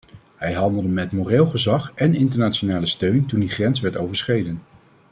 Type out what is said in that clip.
Hij handelde met moreel gezag en internationale steun toen die grens werd overschreden.